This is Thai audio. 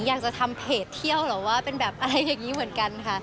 อยากจะทำเพจเที่ยวหรือว่าเป็นแบบอะไรอย่างนี้เหมือนกันค่ะ